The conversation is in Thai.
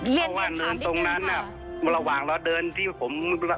เรียนถามนิดหนึ่งค่ะ